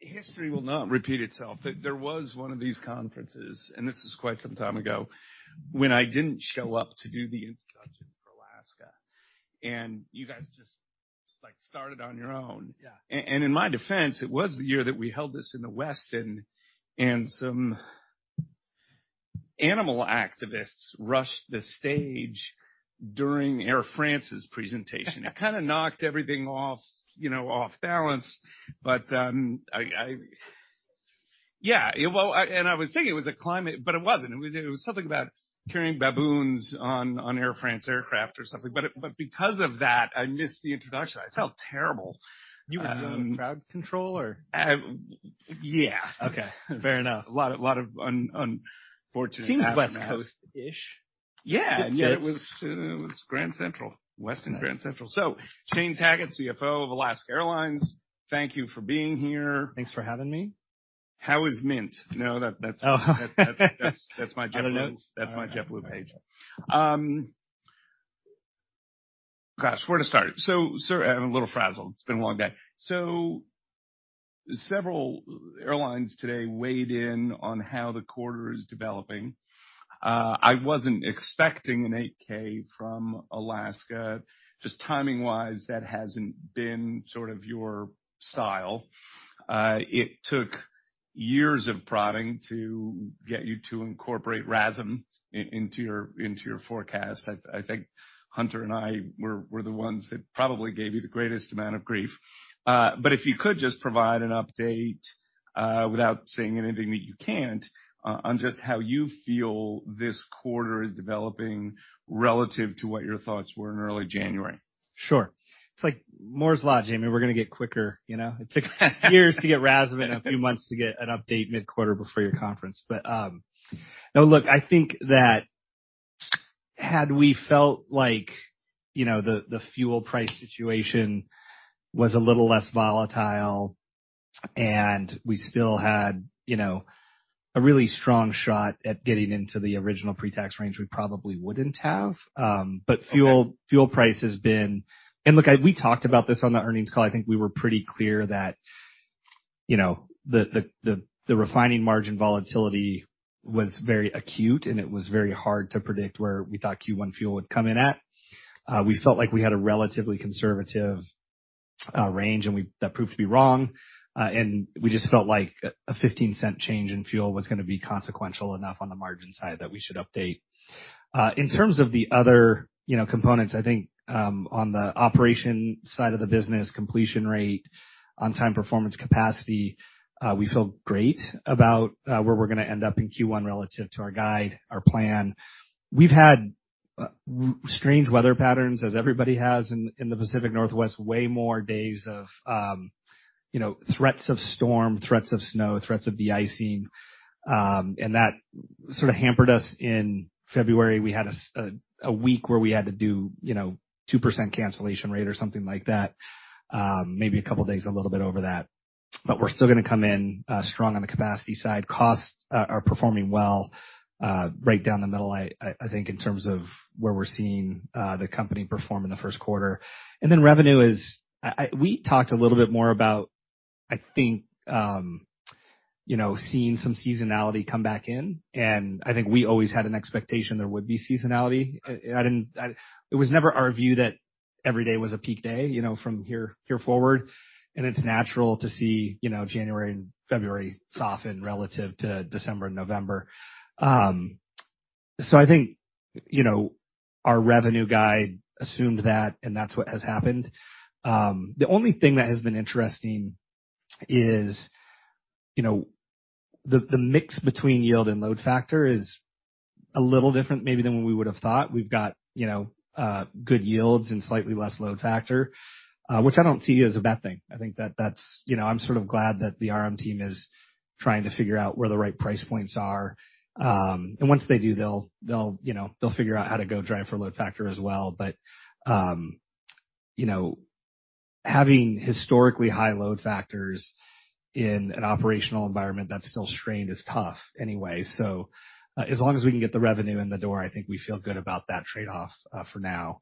History will not repeat itself. There was one of these conferences, and this is quite some time ago, when I didn't show up to do the introduction for Alaska, and you guys just, like, started on your own. Yeah. In my defense, it was the year that we held this in The Westin, and some animal activists rushed the stage during Air France's presentation. It kind of knocked everything off, you know, off balance. I... Yeah, well, I was thinking it was a climate but it wasn't. It was something about carrying baboons on Air France aircraft or something. Because of that, I missed the introduction. I felt terrible. You were doing crowd control or? Yeah. Okay, fair enough. A lot of un-unfortunate- Seems West Coast-ish. Yeah, it was The Westin New York Grand Central. Shane Tackett, CFO of Alaska Airlines, thank you for being here. Thanks for having me. How was Mint? No. Oh. That's my JetBlue page. Gosh, where to start? I'm a little frazzled. It's been a long day. Several airlines today weighed in on how the quarter is developing. I wasn't expecting an 8-K from Alaska. Just timing-wise, that hasn't been sort of your style. It took years of prodding to get you to incorporate RASM into your, into your forecast. I think Hunter and I were the ones that probably gave you the greatest amount of grief. If you could just provide an update, without saying anything that you can't, on just how you feel this quarter is developing relative to what your thoughts were in early January. Sure. It's like Moore's Law, Jamie. We're gonna get quicker, you know. It took years to get RASM and a few months to get an update mid-quarter before your conference. No, look, I think that had we felt like, you know, the fuel price situation was a little less volatile and we still had, you know, a really strong shot at getting into the original pre-tax range, we probably wouldn't have. Fuel price has been. Look, we talked about this on the earnings call. I think we were pretty clear that, you know, the refining margin volatility was very acute, and it was very hard to predict where we thought Q1 fuel would come in at. We felt like we had a relatively conservative range, and that proved to be wrong. We just felt like a $0.15 change in fuel was gonna be consequential enough on the margin side that we should update. In terms of the other, you know, components, I think, on the operation side of the business, completion rate, on time performance capacity, we feel great about where we're gonna end up in Q1 relative to our guide, our plan. We've had strange weather patterns, as everybody has in the Pacific Northwest, way more days of, you know, threats of storm, threats of snow, threats of de-icing. That sort of hampered us in February. We had a week where we had to do, you know, 2% cancellation rate or something like that, maybe a couple days, a little bit over that. We're still gonna come in strong on the capacity side. Costs are performing well right down the middle, I think, in terms of where we're seeing the company perform in the first quarter. Revenue is... We talked a little bit more about, I think, you know, seeing some seasonality come back in, and I think we always had an expectation there would be seasonality. It was never our view that every day was a peak day, you know, from here forward, and it's natural to see, you know, January and February soften relative to December and November. I think, you know, our revenue guide assumed that, and that's what has happened. The only thing that has been interesting is, you know, the mix between yield and load factor is a little different maybe than what we would have thought. We've got, you know, good yields and slightly less load factor, which I don't see as a bad thing. I think that that's, you know, I'm sort of glad that the RM team is trying to figure out where the right price points are. Once they do, they'll, you know, they'll figure out how to go drive for load factor as well. You know, having historically high load factors in an operational environment that's still strained is tough anyway. As long as we can get the revenue in the door, I think we feel good about that trade-off for now.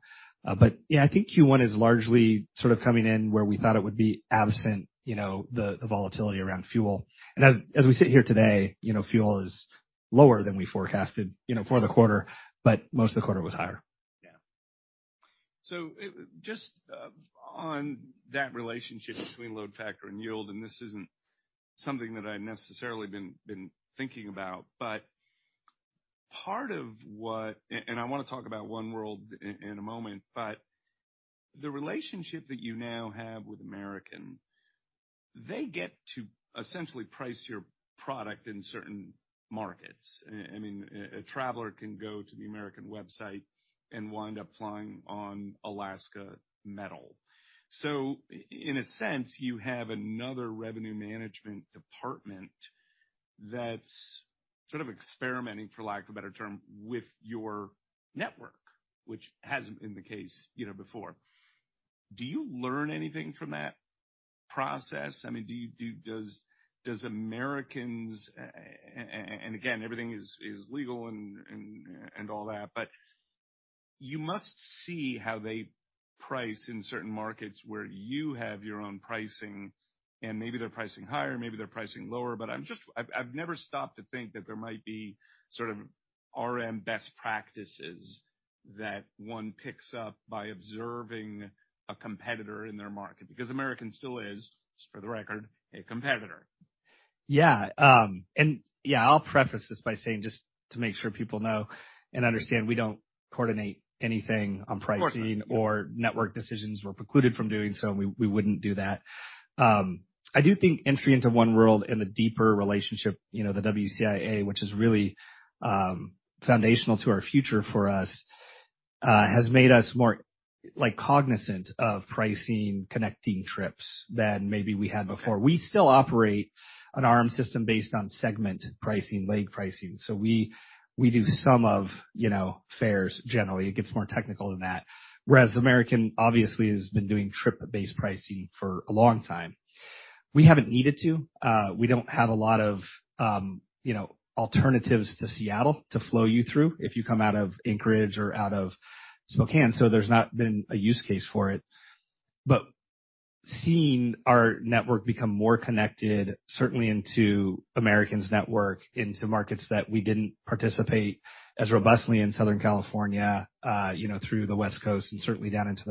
Yeah, I think Q1 is largely sort of coming in where we thought it would be absent, you know, the volatility around fuel. As we sit here today, you know, fuel is lower than we forecasted, you know, for the quarter, but most of the quarter was higher. Yeah. Just on that relationship between load factor and yield, and this isn't something that I've necessarily been thinking about, but I wanna talk about Oneworld in a moment, but the relationship that you now have with American, they get to essentially price your product in certain markets. I mean, a traveler can go to the American website and wind up flying on Alaska metal. In a sense, you have another revenue management department that's sort of experimenting, for lack of a better term, with your network, which hasn't been the case, you know, before. Do you learn anything from that? Process. I mean, do you, does Americans, and again, everything is legal and all that, but you must see how they price in certain markets where you have your own pricing and maybe they're pricing higher, maybe they're pricing lower. I've never stopped to think that there might be sort of RM best practices that one picks up by observing a competitor in their market. American still is, just for the record, a competitor. Yeah. yeah, I'll preface this by saying, just to make sure people know and understand, we don't coordinate anything on pricing... Of course. network decisions. We're precluded from doing so, and we wouldn't do that. I do think entry into Oneworld and the deeper relationship, you know, the WCIA, which is really foundational to our future for us, has made us more, like, cognizant of pricing connecting trips than maybe we had before. We still operate an RM system based on segment pricing, leg pricing. We, we do some of, you know, fares, generally. It gets more technical than that. Whereas American obviously has been doing trip-based pricing for a long time. We haven't needed to. We don't have a lot of, you know, alternatives to Seattle to flow you through if you come out of Anchorage or out of Spokane, so there's not been a use case for it. Seeing our network become more connected, certainly into American's network, into markets that we didn't participate as robustly in Southern California, you know, through the West Coast and certainly down into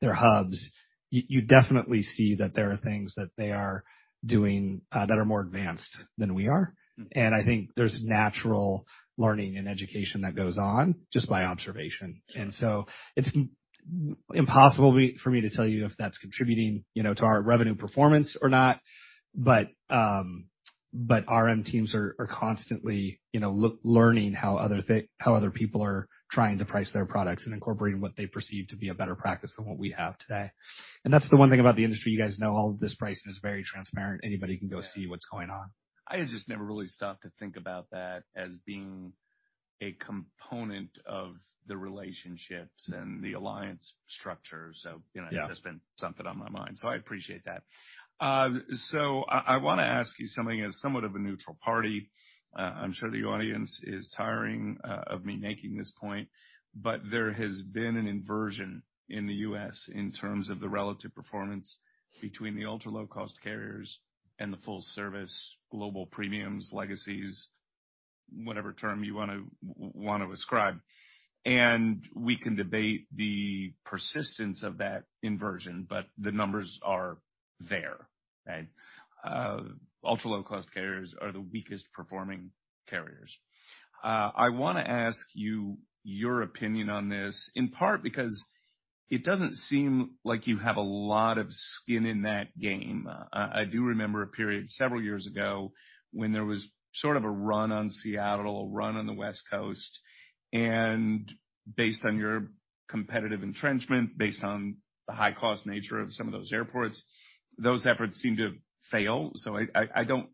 their hubs, you definitely see that there are things that they are doing, that are more advanced than we are. Mm-hmm. I think there's natural learning and education that goes on just by observation. Sure. It's impossible for me to tell you if that's contributing, you know, to our revenue performance or not. RM teams are constantly, you know, learning how other people are trying to price their products and incorporating what they perceive to be a better practice than what we have today. That's the one thing about the industry, you guys know all of this pricing is very transparent. Anybody can go see what's going on. I just never really stopped to think about that as being a component of the relationships and the alliance structure. you know. Yeah. It's been something on my mind, so I appreciate that. So I wanna ask you something as somewhat of a neutral party. I'm sure the audience is tiring of me making this point, but there has been an inversion in the U.S. in terms of the relative performance between the ultra-low-cost carriers and the full service global premiums, legacies, whatever term you wanna ascribe. We can debate the persistence of that inversion, but the numbers are there, right? Ultra-low-cost carriers are the weakest performing carriers. I wanna ask you your opinion on this, in part because it doesn't seem like you have a lot of skin in that game. I do remember a period several years ago when there was sort of a run on Seattle, a run on the West Coast, and based on your competitive entrenchment, based on the high cost nature of some of those airports, those efforts seemed to fail. I don't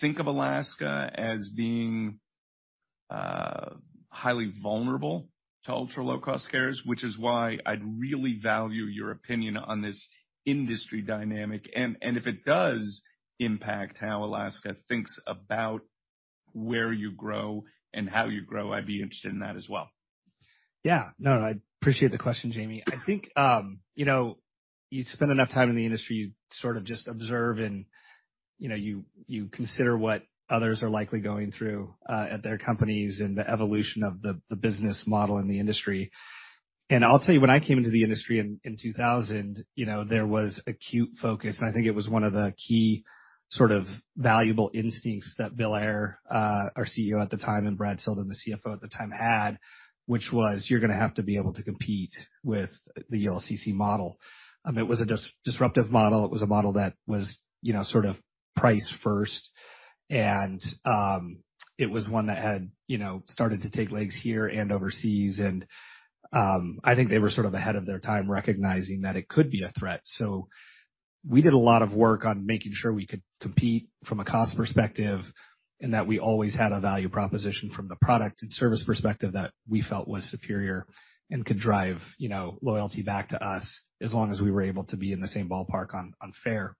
think of Alaska as being highly vulnerable to Ultra-Low-Cost Carriers, which is why I'd really value your opinion on this industry dynamic and if it does impact how Alaska thinks about where you grow and how you grow, I'd be interested in that as well. Yeah. No, no, I appreciate the question, Jamie. I think, you know, you spend enough time in the industry, you sort of just observe and, you know, you consider what others are likely going through at their companies and the evolution of the business model in the industry. I'll tell you, when I came into the industry in 2000, you know, there was acute focus, and I think it was one of the key sort of valuable instincts that Bill Ayer, our CEO at the time, and Brad Tilden, the CFO at the time, had, which was, "You're gonna have to be able to compete with the ULCC model." It was a disruptive model. It was a model that was, you know, sort of price first. It was one that had, you know, started to take legs here and overseas and I think they were sort of ahead of their time recognizing that it could be a threat. We did a lot of work on making sure we could compete from a cost perspective, and that we always had a value proposition from the product and service perspective that we felt was superior and could drive, you know, loyalty back to us as long as we were able to be in the same ballpark on fare.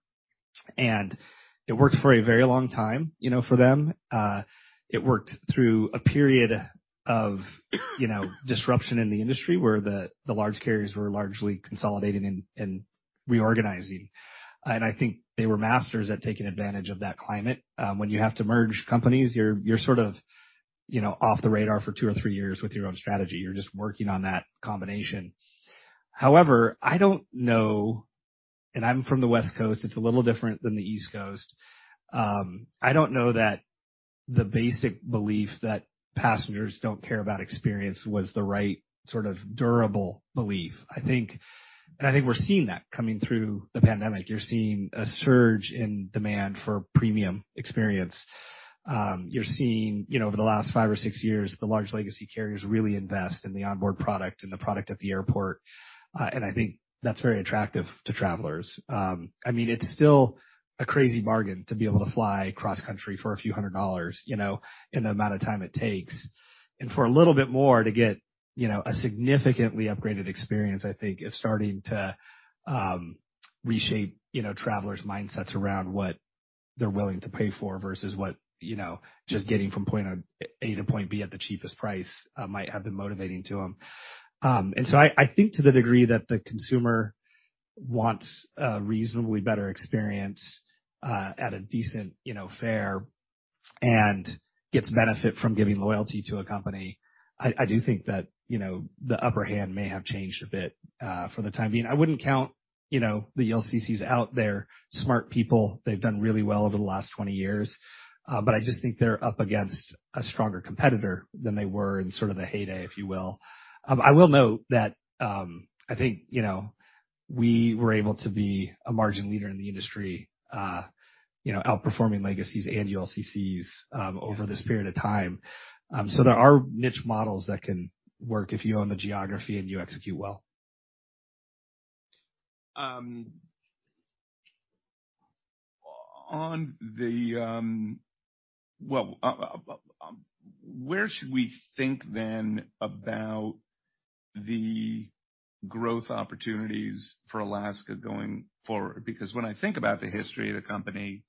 It worked for a very long time, you know, for them. It worked through a period of, you know, disruption in the industry where the large carriers were largely consolidating and reorganizing. I think they were masters at taking advantage of that climate. When you have to merge companies, you're sort of, you know, off the radar for two or three years with your own strategy. You're just working on that combination. I don't know, and I'm from the West Coast, it's a little different than the East Coast. I don't know that the basic belief that passengers don't care about experience was the right sort of durable belief. I think we're seeing that coming through the pandemic. You're seeing a surge in demand for premium experience. You're seeing, you know, over the last five or six years, the large legacy carriers really invest in the onboard product and the product at the airport. I think that's very attractive to travelers. I mean, it's still a crazy bargain to be able to fly cross-country for few hundred dollars, you know, in the amount of time it takes. For a little bit more to get, you know, a significantly upgraded experience, I think, is starting to reshape, you know, travelers' mindsets around what they're willing to pay for versus what, you know, just getting from point A to point B at the cheapest price might have been motivating to them. I think to the degree that the consumer wants a reasonably better experience at a decent, you know, fare and gets benefit from giving loyalty to a company, I do think that, you know, the upper hand may have changed a bit for the time being. I wouldn't count, you know, the LCCs out. They're smart people. They've done really well over the last 20 years. I just think they're up against a stronger competitor than they were in sort of the heyday, if you will. I will note that, I think, you know, we were able to be a margin leader in the industry, you know, outperforming legacies and ULCCs over this period of time. There are niche models that can work if you own the geography and you execute well. Well, where should we think then about the growth opportunities for Alaska going forward? When I think about the history of the company,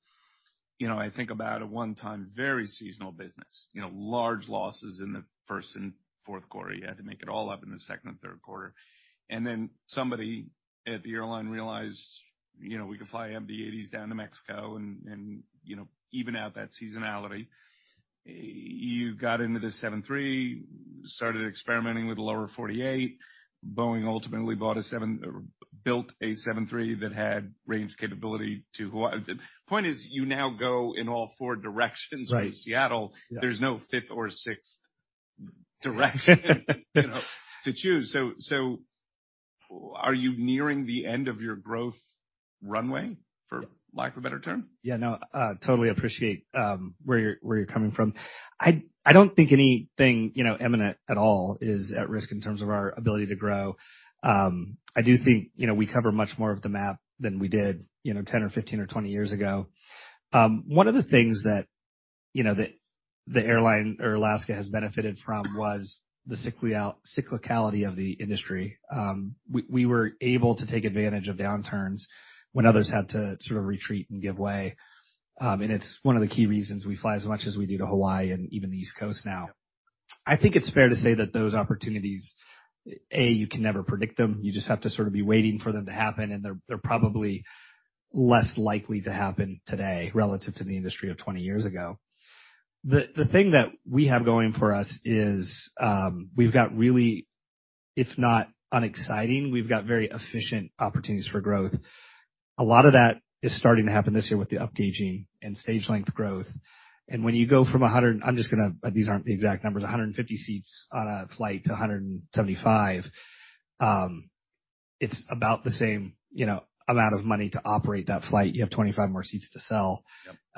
you know, I think about a one time, very seasonal business. You know, large losses in the first and fourth quarter. You had to make it all up in the second and third quarter. Somebody at the airline realized, you know, we could fly MD-80s down to Mexico and, you know, even out that seasonality. You got into the seven three, started experimenting with lower 48. Boeing ultimately built a seven three that had range capability to Hawaii. The point is, you now go in all four directions. Right. from Seattle. Yeah. There's no fifth or sixth direction You know, to choose. So are you nearing the end of your growth runway, for lack of a better term? Yeah, no, totally appreciate, where you're coming from. I don't think anything, you know, eminent at all is at risk in terms of our ability to grow. I do think, you know, we cover much more of the map than we did, you know, 10 or 15 or 20 years ago. One of the things that, you know, that the airline or Alaska has benefited from was the cyclicality of the industry. We were able to take advantage of downturns when others had to sort of retreat and give way. It's one of the key reasons we fly as much as we do to Hawaii and even the East Coast now. I think it's fair to say that those opportunities, A, you can never predict them. You just have to sort of be waiting for them to happen, they're probably less likely to happen today relative to the industry of 20 years ago. The thing that we have going for us is, we've got really, if not unexciting, we've got very efficient opportunities for growth. A lot of that is starting to happen this year with the upgauging and stage length growth. When you go from 150 seats on a flight to 175, it's about the same, you know, amount of money to operate that flight. You have 25 more seats to sell.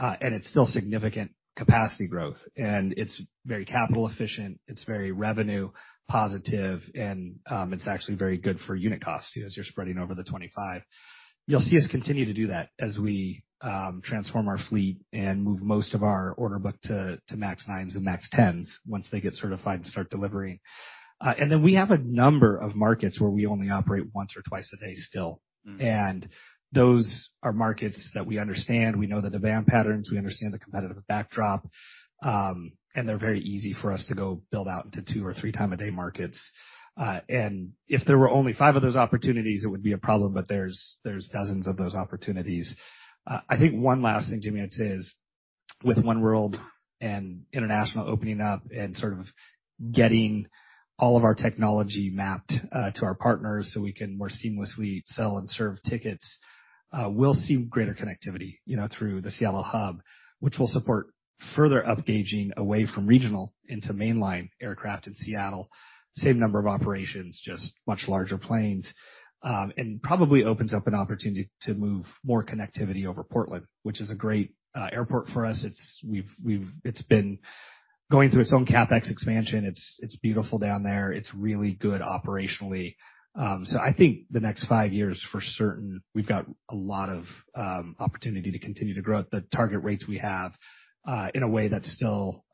Yep. It's still significant capacity growth, it's very capital efficient, it's very revenue positive, and it's actually very good for unit costs as you're spreading over the 25. You'll see us continue to do that as we transform our fleet and move most of our order book to MAX 9 and MAX 10 once they get certified and start delivering. We have a number of markets where we only operate once or twice a day still. Mm. Those are markets that we understand. We know the demand patterns, we understand the competitive backdrop, and they're very easy for us to go build out into two or three time a day markets. If there were only five of those opportunities, it would be a problem. There's dozens of those opportunities. I think one last thing, Jamie, I'd say is, with Oneworld and international opening up and sort of getting all of our technology mapped to our partners so we can more seamlessly sell and serve tickets, we'll see greater connectivity, you know, through the Seattle hub, which will support further upgauging away from regional into mainline aircraft in Seattle. Same number of operations, just much larger planes. Probably opens up an opportunity to move more connectivity over Portland, which is a great airport for us. It's been going through its own CapEx expansion. It's beautiful down there. It's really good operationally. I think the next five years for certain, we've got a lot of opportunity to continue to grow at the target rates we have, in a way that's still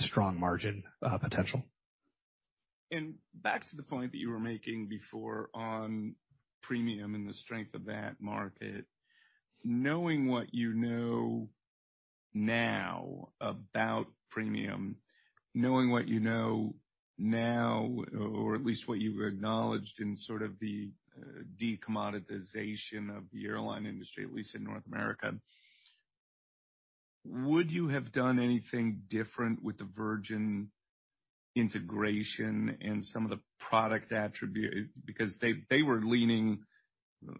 strong margin potential. Back to the point that you were making before on premium and the strength of that market. Knowing what you know now about premium, knowing what you know now or at least what you acknowledged in sort of the decommoditization of the airline industry, at least in North America, would you have done anything different with the Virgin integration and some of the product attribute? Because they were leaning,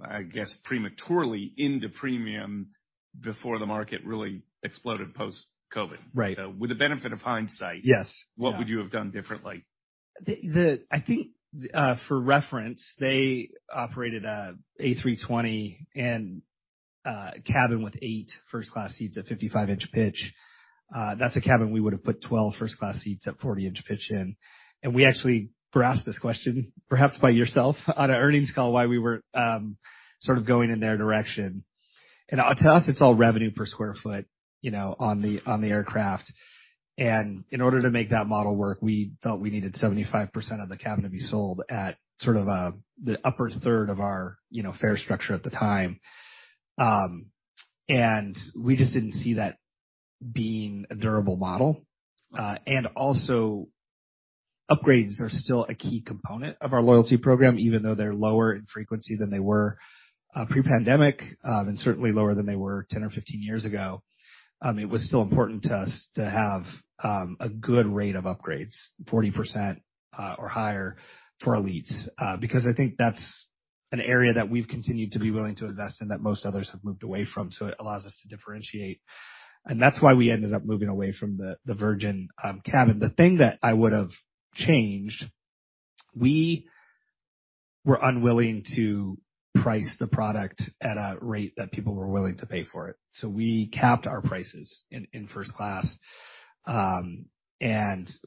I guess, prematurely into premium before the market really exploded post-COVID. Right. With the benefit of hindsight... Yes. What would you have done differently? I think, for reference, they operated a A320 and cabin with eight first class seats at 55 inch pitch. That's a cabin we would have put 12 first class seats at 40 inch pitch in. We actually were asked this question, perhaps by yourself on an earnings call, why we were sort of going in their direction. To us it's all revenue per square foot. You know, on the aircraft. In order to make that model work, we felt we needed 75% of the cabin to be sold at sort of the upper third of our, you know, fare structure at the time. We just didn't see that being a durable model. Upgrades are still a key component of our loyalty program, even though they're lower in frequency than they were pre-pandemic, and certainly lower than they were 10 or 15 years ago. It was still important to us to have a good rate of upgrades, 40% or higher for elites. Because I think that's an area that we've continued to be willing to invest in that most others have moved away from. It allows us to differentiate. That's why we ended up moving away from the Virgin cabin. The thing that I would have changed, we were unwilling to price the product at a rate that people were willing to pay for it. We capped our prices in first class.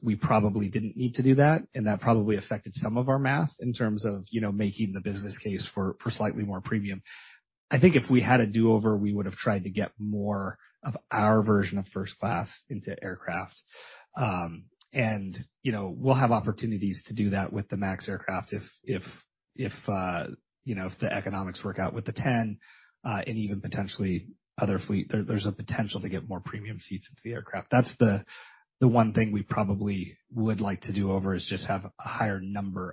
We probably didn't need to do that, and that probably affected some of our math in terms of, you know, making the business case for slightly more premium. I think if we had a do-over, we would have tried to get more of our version of first class into aircraft. You know, we'll have opportunities to do that with the MAX aircraft if the economics work out with the ten, and even potentially other fleet, there's a potential to get more premium seats into the aircraft. That's the one thing we probably would like to do over is just have a higher number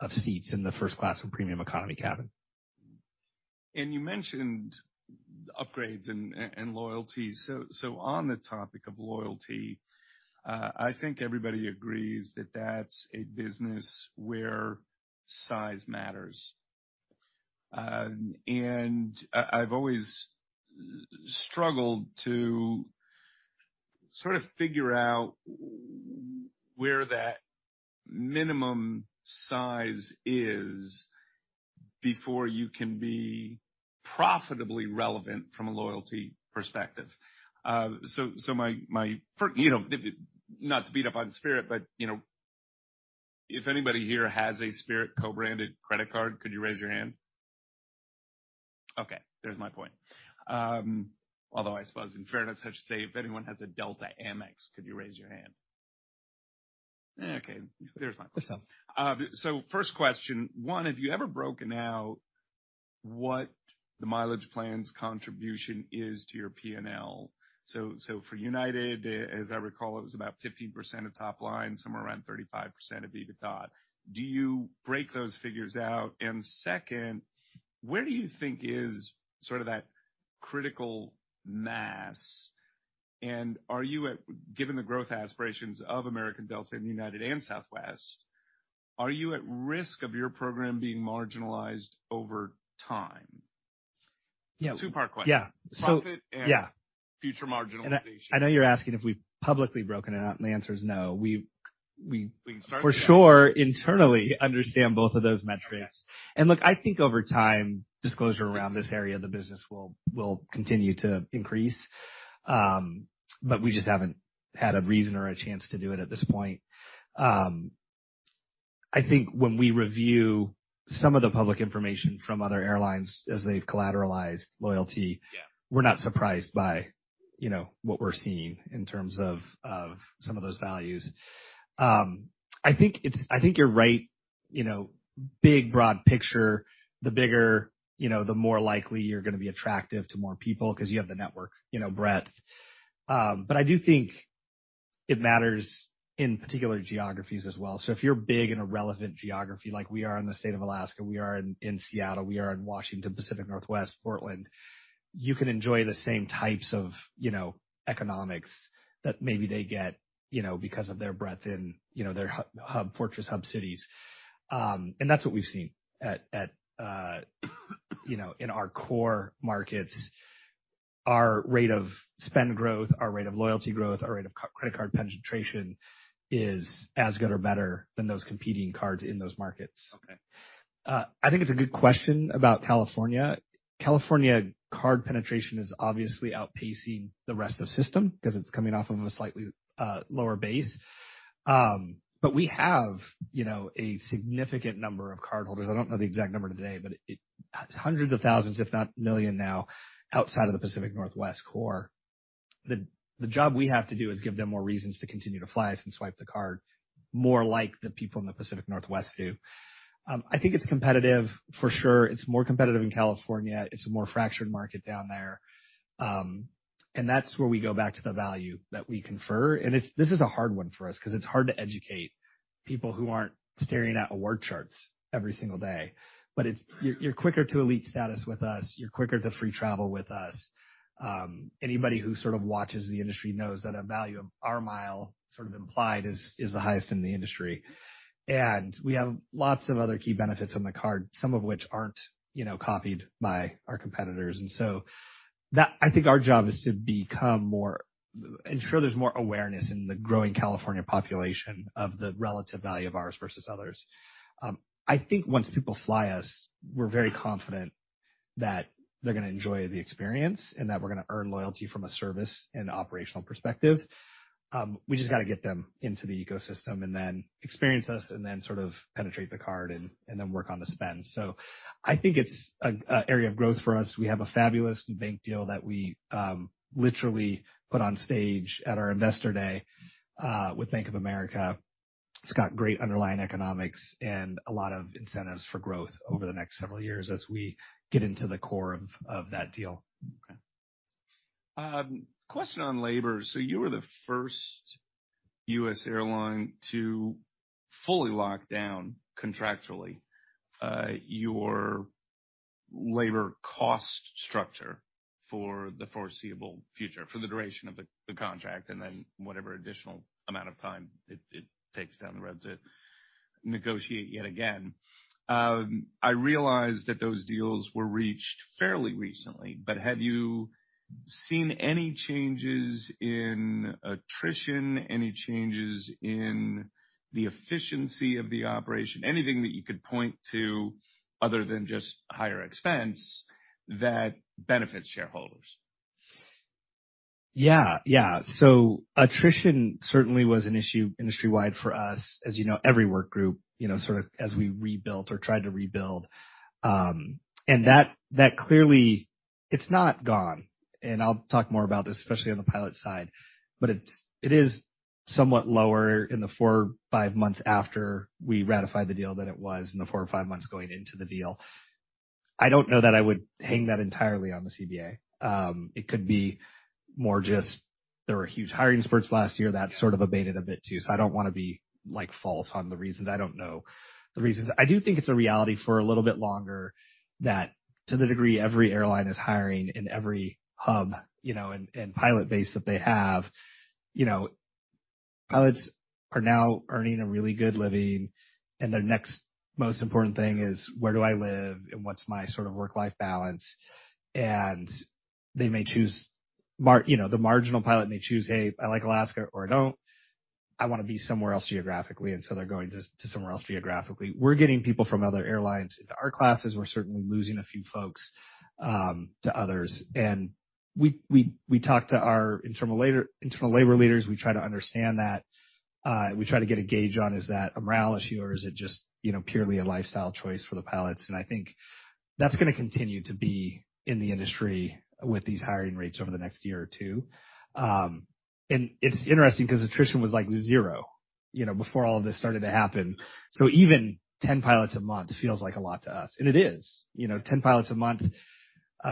of seats in the first class and premium economy cabin. You mentioned upgrades and loyalty. On the topic of loyalty, I think everybody agrees that that's a business where size matters. I've always struggled to sort of figure out where that minimum size is before you can be profitably relevant from a loyalty perspective. My for, you know, not to beat up on Spirit, but, you know, if anybody here has a Spirit co-branded credit card, could you raise your hand? Okay, there's my point. Although I suppose in fairness, I should say, if anyone has a Delta Amex, could you raise your hand? Okay, there's my point. What's up? First question, one, have you ever broken out what the Mileage Plan's contribution is to your P&L? For United Airlines, as I recall, it was about 15% of top line, somewhere around 35% of EBITDA. Do you break those figures out? Second, where do you think is sort of that critical mass? Are you given the growth aspirations of American Airlines, Delta Air Lines, and United Airlines, and Southwest Airlines, are you at risk of your program being marginalized over time? Yeah. Two-part question. Yeah. Profit Yeah. Future marginalization. I know you're asking if we've publicly broken it out, and the answer is no. We can start today. For sure, internally understand both of those metrics. Yes. Look, I think over time, disclosure around this area of the business will continue to increase. We just haven't had a reason or a chance to do it at this point. I think when we review some of the public information from other airlines as they've collateralized loyalty- Yeah. We're not surprised by, you know, what we're seeing in terms of some of those values. I think you're right, you know, big broad picture, the bigger, you know, the more likely you're gonna be attractive to more people 'cause you have the network, you know, breadth. I do think it matters in particular geographies as well. If you're big in a relevant geography like we are in the state of Alaska, we are in Seattle, we are in Washington Pacific Northwest, Portland, you can enjoy the same types of, you know, economics that maybe they get, you know, because of their breadth in, you know, their hub, fortress hub cities. That's what we've seen at, you know, in our core markets. Our rate of spend growth, our rate of loyalty growth, our rate of credit card penetration is as good or better than those competing cards in those markets. Okay. I think it's a good question about California. California card penetration is obviously outpacing the rest of system 'cause it's coming off of a slightly lower base. We have, you know, a significant number of cardholders. I don't know the exact number today, but hundreds of thousands, if not 1 million now, outside of the Pacific Northwest core. The job we have to do is give them more reasons to continue to fly us and swipe the card more like the people in the Pacific Northwest do. I think it's competitive for sure. It's more competitive in California. It's a more fractured market down there. That's where we go back to the value that we confer. This is a hard one for us 'cause it's hard to educate people who aren't staring at award charts every single day. You're quicker to elite status with us. You're quicker to free travel with us. Anybody who sort of watches the industry knows that a value of our mile, sort of implied, is the highest in the industry. We have lots of other key benefits on the card, some of which aren't, you know, copied by our competitors. I think our job is to ensure there's more awareness in the growing California population of the relative value of ours versus others. We just gotta get them into the ecosystem and then experience us and then sort of penetrate the card and then work on the spend. I think it's a area of growth for us. We have a fabulous new bank deal that we literally put on stage at our investor day with Bank of America. It's got great underlying economics and a lot of incentives for growth over the next several years as we get into the core of that deal. Question on labor. You were the first U.S. airline to fully lock down contractually your labor cost structure for the foreseeable future, for the duration of the contract, and then whatever additional amount of time it takes down the road to negotiate yet again. I realize that those deals were reached fairly recently, but have you seen any changes in attrition, any changes in the efficiency of the operation, anything that you could point to other than just higher expense that benefits shareholders? Yeah. Yeah. Attrition certainly was an issue industry-wide for us, as you know, every work group, you know, sort of as we rebuilt or tried to rebuild. That clearly it's not gone, and I'll talk more about this, especially on the pilot side, but it is somewhat lower in the four, five months after we ratified the deal than it was in the 4 or 5 months going into the deal. I don't know that I would hang that entirely on the CBA. It could be more just there were huge hiring spurts last year that sort of abated a bit too. I don't wanna be like false on the reasons. I don't know the reasons. I do think it's a reality for a little bit longer that to the degree every airline is hiring in every hub, you know, and pilot base that they have, you know, pilots are now earning a really good living, and their next most important thing is where do I live and what's my sort of work-life balance. They may choose, you know, the marginal pilot may choose, "Hey, I like Alaska or I don't. I wanna be somewhere else geographically," and so they're going to somewhere else geographically. We're getting people from other airlines into our classes. We're certainly losing a few folks to others. We talk to our internal labor leaders. We try to understand that. We try to get a gauge on, is that a morale issue or is it just, you know, purely a lifestyle choice for the pilots? I think that's gonna continue to be in the industry with these hiring rates over the next year or two. It's interesting 'cause attrition was like zero, you know, before all of this started to happen. Even 10 pilots a month feels like a lot to us. It is. You know, 10 pilots a month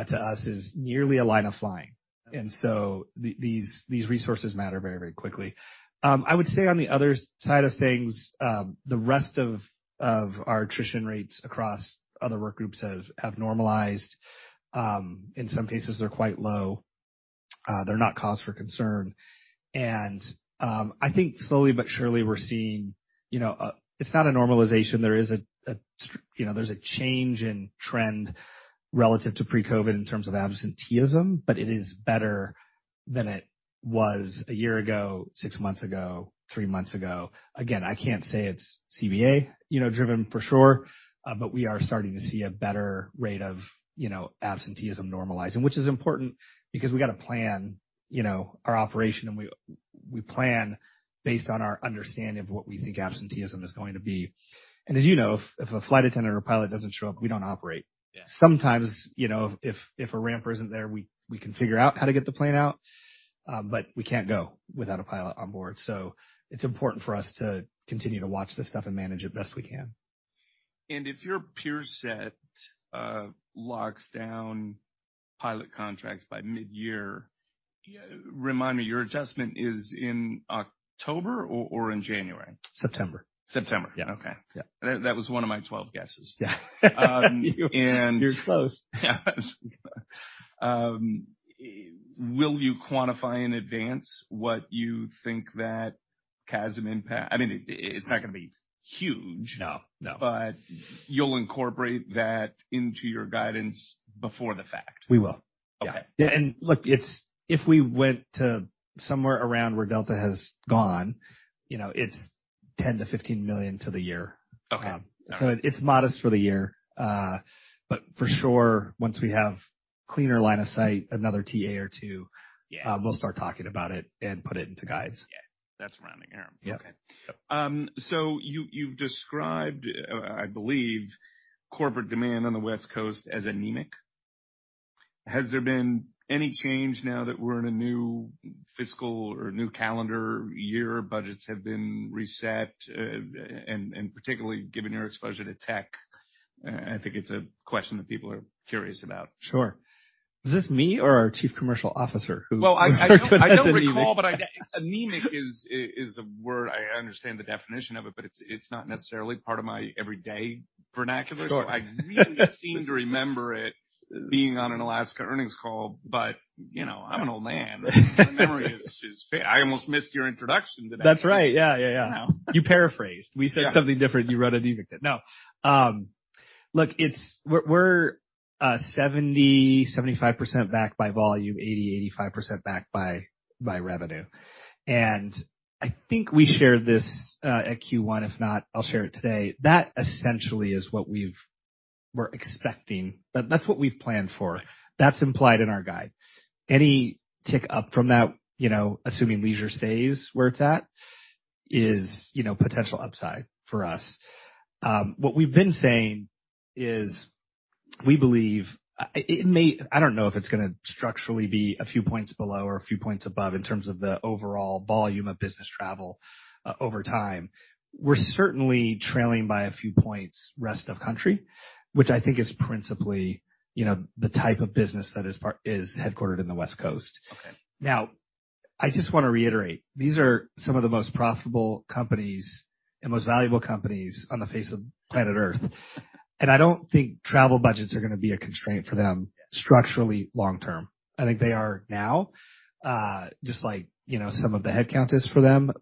to us is nearly a line of flying. These resources matter very, very quickly. I would say on the other side of things, the rest of our attrition rates across other work groups have normalized. In some cases, they're quite low. They're not cause for concern. I think slowly but surely we're seeing, you know, it's not a normalization. There is a, you know, there's a change in trend relative to pre-COVID in terms of absenteeism, but it is better than it was a year ago, six months ago, three months ago. Again, I can't say it's CBA, you know, driven for sure, but we are starting to see a better rate of, you know, absenteeism normalizing, which is important because we gotta plan, you know, our operation, and we plan based on our understanding of what we think absenteeism is going to be. As you know, if a flight attendant or pilot doesn't show up, we don't operate. Yeah. Sometimes, you know, if a ramper isn't there, we can figure out how to get the plane out, but we can't go without a pilot on board. It's important for us to continue to watch this stuff and manage it best we can. If your peer set, locks down pilot contracts by midyear, remind me, your adjustment is in October or in January? September. September. Yeah. Okay. Yeah. That was one of my 12 guesses. Yeah. Um, and- You're close. Yes. Will you quantify in advance what you think that CASM impact? I mean, it's not gonna be huge. No, no. You'll incorporate that into your guidance before the fact? We will. Okay. Yeah. Look, if we went to somewhere around where Delta has gone, you know, it's $10 million to $15 million to the year. Okay. It's modest for the year. For sure, once we have cleaner line of sight, another TA or two... Yeah. We'll start talking about it and put it into guides. Yeah. That's what I'm hearing. Yeah. Okay. Yep. You, you've described, I believe corporate demand on the West Coast as anemic. Has there been any change now that we're in a new fiscal or new calendar year, budgets have been reset, and particularly given your exposure to tech? I think it's a question that people are curious about. Sure. Is this me or our chief commercial officer who expressed it as anemic? I don't recall, but I get anemic is a word I understand the definition of it, but it's not necessarily part of my everyday vernacular. Sure. I immediately seem to remember it being on an Alaska earnings call. You know, I'm an old man. My memory is I almost missed your introduction today. That's right. Yeah, yeah. I know. You paraphrased. Yeah. We said something different. You wrote it anemic. No. look, we're 70%-75% back by volume, 80%-85% back by revenue. I think we shared this at Q1. If not, I'll share it today. That essentially is what we're expecting. That's what we've planned for. That's implied in our guide. Any tick up from that, you know, assuming leisure stays where it's at is, you know, potential upside for us. What we've been saying is we believe I don't know if it's gonna structurally be a few points below or a few points above in terms of the overall volume of business travel over time. We're certainly trailing by a few points rest of country, which I think is principally, you know, the type of business that is headquartered in the West Coast. Okay. I just want to reiterate, these are some of the most profitable companies and most valuable companies on the face of planet Earth. I don't think travel budgets are going to be a constraint for them structurally long term. I think they are now, just like, you know, some of the headcount is for them.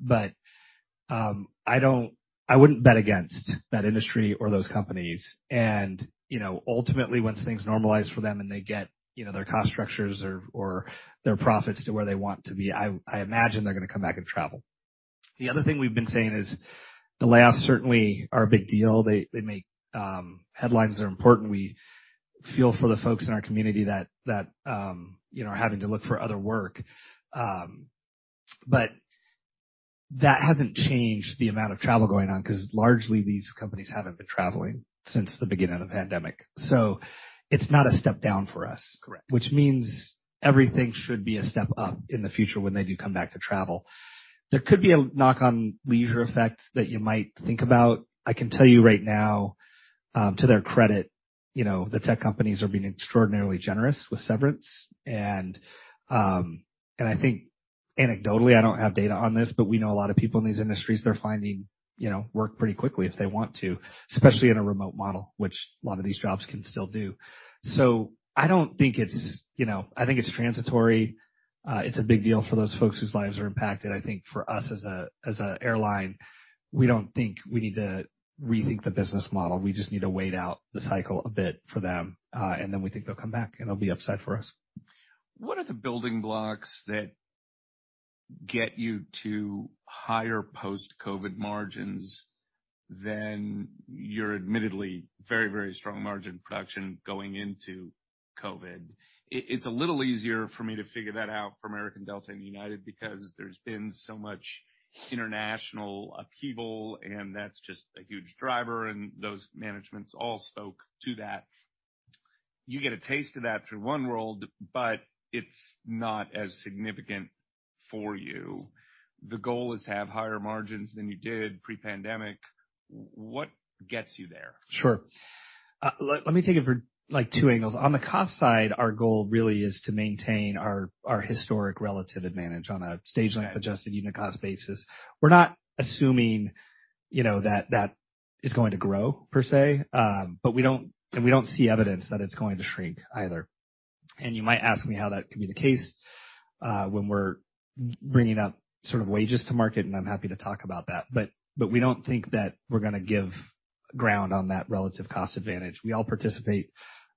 I wouldn't bet against that industry or those companies. You know, ultimately, once things normalize for them and they get, you know, their cost structures or their profits to where they want to be, I imagine they're going to come back and travel. The other thing we've been saying is the layoffs certainly are a big deal. They make headlines that are important. We feel for the folks in our community that, you know, are having to look for other work. That hasn't changed the amount of travel going on 'cause largely these companies haven't been traveling since the beginning of the pandemic. It's not a step down for us. Correct. Which means everything should be a step up in the future when they do come back to travel. There could be a knock on leisure effect that you might think about. I can tell you right now, to their credit, you know, the tech companies are being extraordinarily generous with severance. I think anecdotally, I don't have data on this, but we know a lot of people in these industries, they're finding, you know, work pretty quickly if they want to, especially in a remote model, which a lot of these jobs can still do. I don't think it's, you know. I think it's transitory. It's a big deal for those folks whose lives are impacted. I think for us as a airline, we don't think we need to rethink the business model. We just need to wait out the cycle a bit for them, and then we think they'll come back and it'll be upside for us. What are the building blocks that get you to higher post-COVID margins than your admittedly very, very strong margin production going into COVID? It's a little easier for me to figure that out for American Delta and United because there's been so much international upheaval, that's just a huge driver, and those managements all spoke to that. You get a taste of that through Oneworld. It's not as significant for you. The goal is to have higher margins than you did pre-pandemic. What gets you there? Sure. Let me take it for, like, two angles. On the cost side, our goal really is to maintain our historic relative advantage on a stage-length adjusted unit cost basis. We're not assuming, you know, that that is going to grow per se, but we don't, and we don't see evidence that it's going to shrink either. You might ask me how that can be the case, when we're bringing up sort of wages to market, and I'm happy to talk about that. We don't think that we're gonna give ground on that relative cost advantage. We all participate,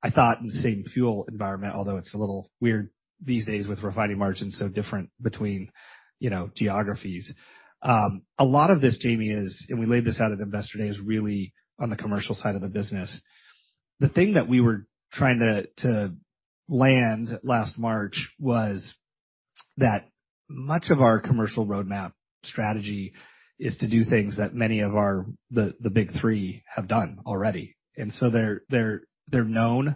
I thought, in the same fuel environment, although it's a little weird these days with refining margins so different between, you know, geographies. A lot of this, Jamie, is, and we laid this out at Investor Day, is really on the commercial side of the business. The thing that we were trying to land last March was that much of our commercial roadmap strategy is to do things that many of the Big Three have done already. They're known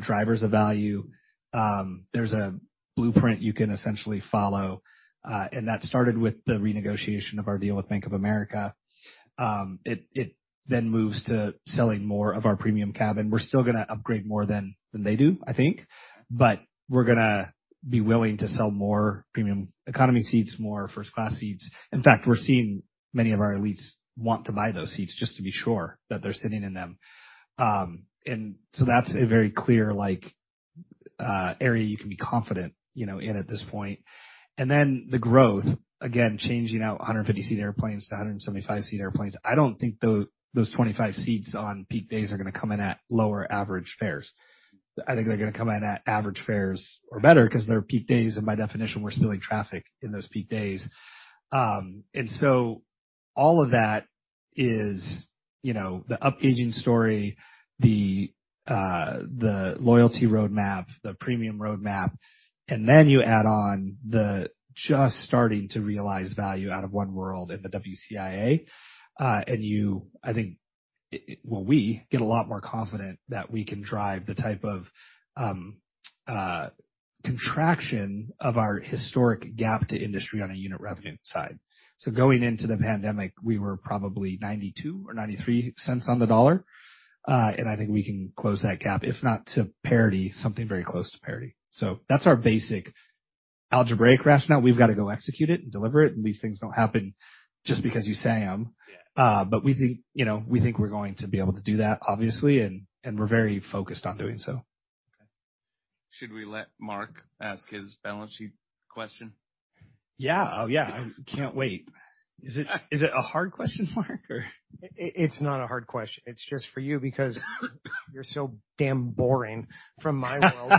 drivers of value. There's a blueprint you can essentially follow, and that started with the renegotiation of our deal with Bank of America. It then moves to selling more of our premium cabin. We're still gonna upgrade more than they do, I think, but we're gonna be willing to sell more premium economy seats, more first class seats. In fact, we're seeing many of our elites want to buy those seats just to be sure that they're sitting in them. That's a very clear, like, area you can be confident, you know, in at this point. The growth, again, changing out 150 seat airplanes to 175 seat airplanes. I don't think those 25 seats on peak days are gonna come in at lower average fares. I think they're gonna come in at average fares or better 'cause they're peak days, and by definition, we're spilling traffic in those peak days. All of that is, you know, the upgauging story, the loyalty roadmap, the premium roadmap, then you add on the just starting to realize value out of Oneworld and the WCIA. I think, well, we get a lot more confident that we can drive the type of contraction of our historic gap to industry on a unit revenue side. Going into the pandemic, we were probably $0.92 or $0.93 on the dollar, and I think we can close that gap, if not to parity, something very close to parity. That's our basic algebraic rationale. We've got to go execute it and deliver it, these things don't happen just because you say them. Yeah. We think, you know, we think we're going to be able to do that, obviously, and we're very focused on doing so. Okay. Should we let Mark ask his balance sheet question? Yeah. Oh, yeah. I can't wait. Is it a hard question, Mark? Or... It's not a hard question. It's just for you because you're so damn boring from my world.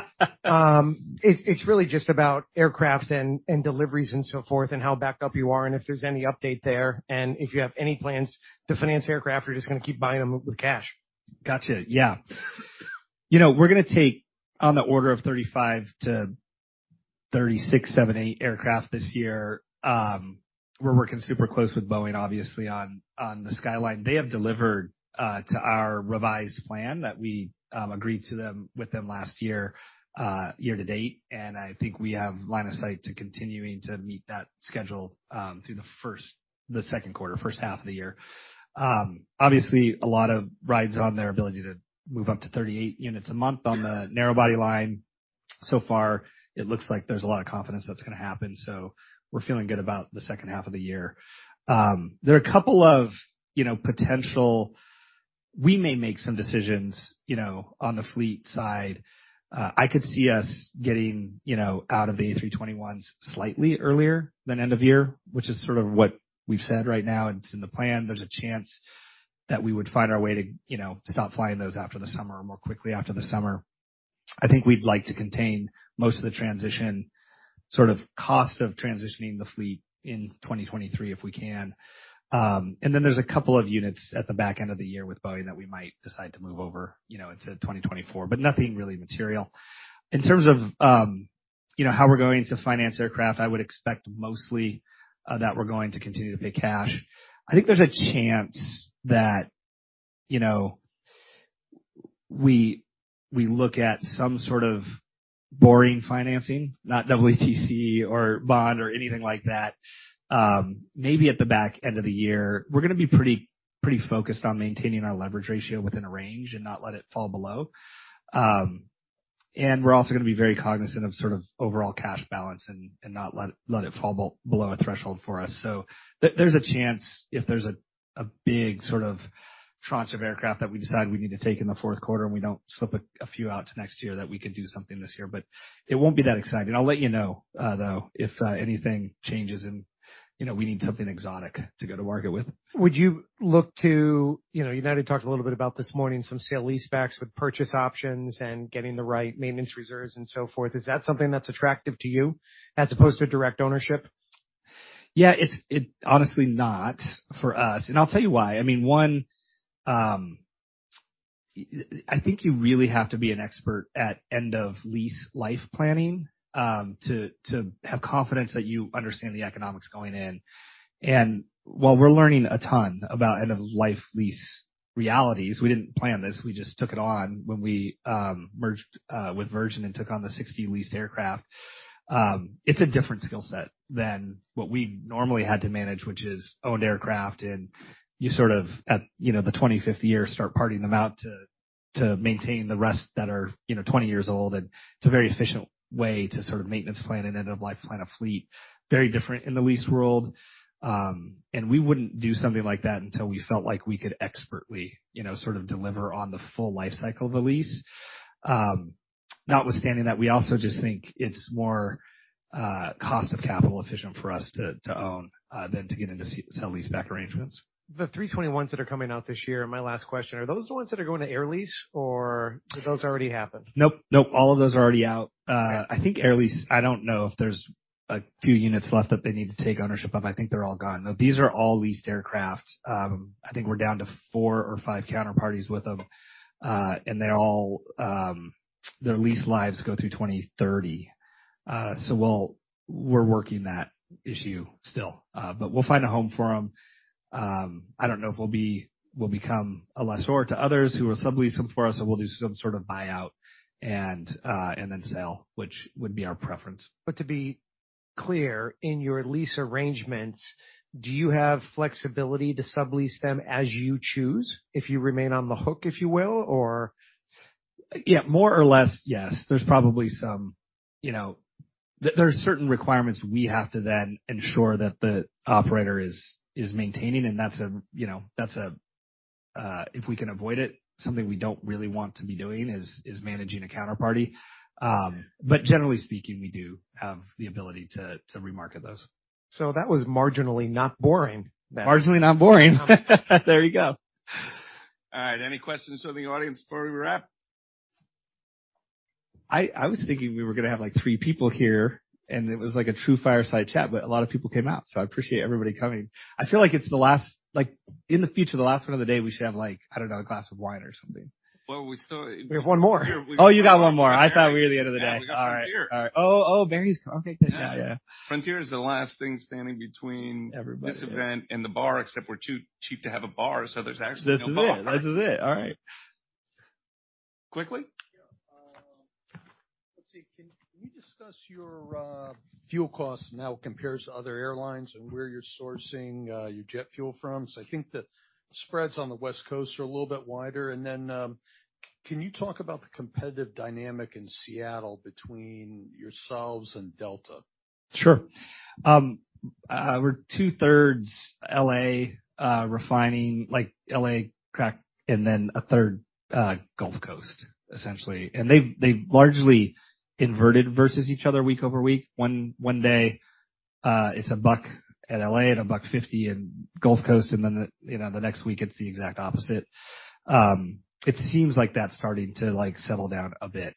It's really just about aircraft and deliveries and so forth and how backed up you are, and if there's any update there, and if you have any plans to finance aircraft or you're just gonna keep buying them with cash. Gotcha. Yeah. You know, we're gonna take on the order of 35-36 737 aircraft this year. We're working super close with Boeing, obviously, on the skyline. They have delivered to our revised plan that we agreed with them last year-to-date, I think we have line of sight to continuing to meet that schedule through the first, the second quarter, first half of the year. Obviously a lot of rides on their ability to move up to 38 units a month on the narrow body line. Far, it looks like there's a lot of confidence that's gonna happen, we're feeling good about the second half of the year. There are a couple of, you know, We may make some decisions, you know, on the fleet side. I could see us getting, you know, out of the A321s slightly earlier than end of year, which is sort of what we've said right now, and it's in the plan. There's a chance that we would find our way to, you know, stop flying those after the summer or more quickly after the summer. I think we'd like to contain most of the transition, sort of cost of transitioning the fleet in 2023 if we can. Then there's a couple of units at the back end of the year with Boeing that we might decide to move over, you know, into 2024, but nothing really material. In terms of, you know, how we're going to finance aircraft, I would expect mostly that we're going to continue to pay cash. I think there's a chance that, you know, we look at some sort of boring financing, not ETC or bond or anything like that, maybe at the back end of the year. We're gonna be pretty focused on maintaining our leverage ratio within a range and not let it fall below. And we're also gonna be very cognizant of sort of overall cash balance and not let it fall below a threshold for us. There's a chance if there's a big sort of tranche of aircraft that we decide we need to take in the fourth quarter, and we don't slip a few out to next year, that we could do something this year, but it won't be that exciting. I'll let you know, though, if anything changes and, you know, we need something exotic to go to market with. You know, United talked a little bit about this morning some sale-leasebacks with purchase options and getting the right maintenance reserves and so forth. Is that something that's attractive to you as opposed to direct ownership? Yeah. It honestly not for us. I'll tell you why. I mean, one, I think you really have to be an expert at end of lease life planning, to have confidence that you understand the economics going in. While we're learning a ton about end of life lease realities, we didn't plan this, we just took it on when we merged with Virgin and took on the 60 leased aircraft. It's a different skill set than what we normally had to manage, which is owned aircraft and you sort of at, you know, the 25th year start parting them out to maintain the rest that are, you know, 20 years old. It's a very efficient way to sort of maintenance plan and end of life plan a fleet, very different in the lease world. We wouldn't do something like that until we felt like we could expertly, you know, sort of deliver on the full life cycle of a lease. Notwithstanding that, we also just think it's more cost of capital efficient for us to own than to get into sale-leaseback arrangements. The A321s that are coming out this year, my last question, are those the ones that are going to Air Lease or did those already happen? Nope. Nope. All of those are already out. I think Air Lease I don't know if there's a few units left that they need to take ownership of. I think they're all gone. No, these are all leased aircraft. I think we're down to four or five counterparties with them. and they're all, their lease lives go through 2030. we're working that issue still. we'll find a home for them. I don't know if we'll become a lessor to others who will sublease some for us, or we'll do some sort of buyout and then sell, which would be our preference. To be clear, in your lease arrangements, do you have flexibility to sublease them as you choose if you remain on the hook, if you will, or? Yeah, more or less, yes. There's probably some, you know. There are certain requirements we have to then ensure that the operator is maintaining, and that's a, you know, that's a, if we can avoid it, something we don't really want to be doing, is managing a counterparty. Generally speaking, we do have the ability to remarket those. That was marginally not boring. Marginally not boring. There you go. All right. Any questions from the audience before we wrap? I was thinking we were gonna have, like, three people here, and it was, like, a true fireside chat, but a lot of people came out, so I appreciate everybody coming. I feel like it's like, in the future, the last one of the day, we should have, like, I don't know, a glass of wine or something. Well, we. We have one more. Oh, you got one more. I thought we were the end of the day. Yeah, we got Frontier. All right. All right. Oh. Oh, Barry's coming. Okay. Good. Yeah. Frontier is the last thing standing between- Everybody ...this event and the bar, except we're too cheap to have a bar, so there's actually no bar. This is it. All right. Quickly? Yeah. Let's see. Can you discuss your fuel costs now compared to other airlines and where you're sourcing your jet fuel from? I think the spreads on the West Coast are a little bit wider. Can you talk about the competitive dynamic in Seattle between yourselves and Delta? Sure. We're two-thirds L.A., refining, like, L.A. crack and then a third Gulf Coast, essentially. They've largely inverted versus each other week-over-week. One day, it's $1 at L.A. and $1.50 in Gulf Coast, you know, the next week, it's the exact opposite. It seems like that's starting to, like, settle down a bit.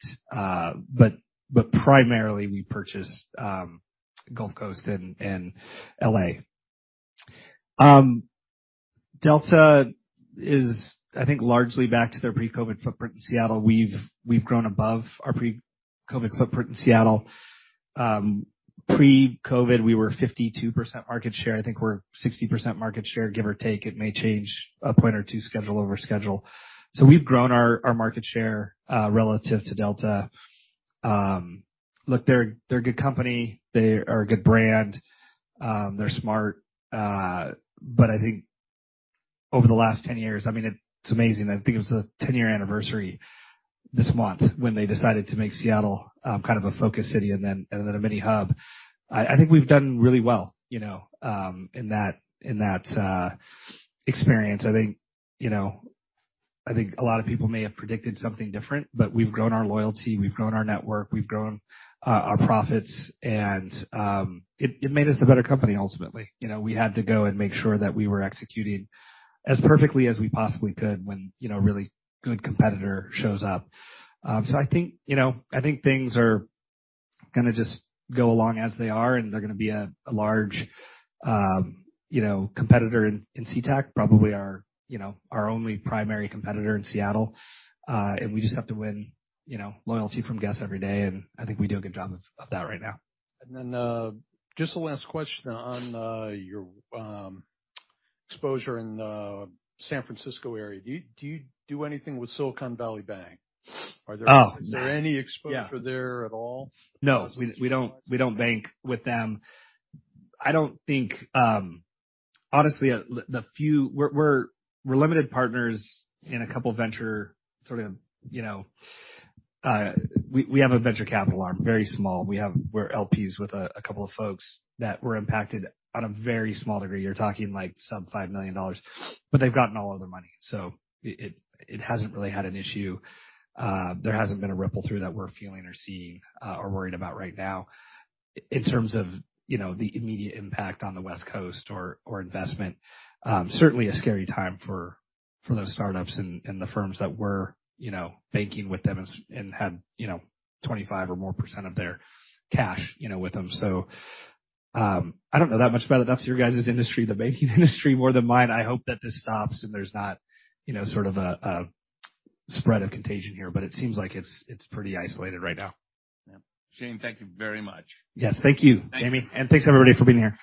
Primarily we purchased Gulf Coast and L.A. Delta is, I think, largely back to their pre-COVID footprint in Seattle. We've grown above our pre-COVID footprint in Seattle. Pre-COVID, we were 52% market share. I think we're 60% market share, give or take. It may change a point or two schedule over schedule. We've grown our market share relative to Delta. Look, they're a good company. They are a good brand. They're smart. I think over the last 10 years, I mean, it's amazing. I think it was the 10-year anniversary this month when they decided to make Seattle, kind of a focus city and then a mini hub. I think we've done really well, you know, in that experience. I think, you know, I think a lot of people may have predicted something different, but we've grown our loyalty, we've grown our network, we've grown our profits, and it made us a better company ultimately. You know, we had to go and make sure that we were executing as perfectly as we possibly could when, you know, a really good competitor shows up. I think, you know, I think things are gonna just go along as they are, and they're gonna be a large, you know, competitor in SeaTac, probably our, you know, our only primary competitor in Seattle. We just have to win, you know, loyalty from guests every day, and I think we do a good job of that right now. just a last question on, your exposure in the San Francisco area. Do you do anything with Silicon Valley Bank? Oh. Is there any exposure there at all? No, we don't bank with them. I don't think. Honestly, We're limited partners in a couple venture sort of, you know. We have a venture capital arm, very small. We're LPs with a couple of folks that were impacted on a very small degree. You're talking like sub $5 million, but they've gotten all of their money. It hasn't really had an issue. There hasn't been a ripple through that we're feeling or seeing or worried about right now in terms of, you know, the immediate impact on the West Coast or investment. certainly a scary time for those startups and the firms that were, you know, banking with them and had, you know, 25% or more of their cash, you know, with them. I don't know that much about it. That's your guys' industry, the banking industry, more than mine. I hope that this stops and there's not, you know, sort of a spread of contagion here, but it seems like it's pretty isolated right now. Shane, thank you very much. Yes, thank you, Jamie. Thanks, everybody, for being here.